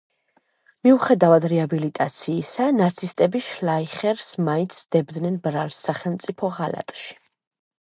მიუხედავად რეაბილიტაციისა, ნაცისტები შლაიხერს მაინც სდებდნენ ბრალს სახელმწიფო ღალატში.